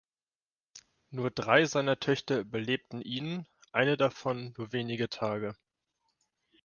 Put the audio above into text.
Nur drei seiner Töchter überlebten ihn, eine davon nur wenige Tage.